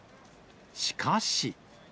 しかし。